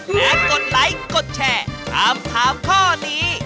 และกดไลค์กดแชร์ถามถามข้อนี้